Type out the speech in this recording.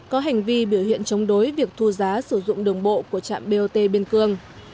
có hành vi biểu hiện chống đối việc thu giá sử dụng đường bộ của trạm bot biên cương